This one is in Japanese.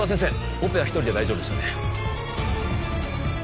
オペは１人で大丈夫ですよね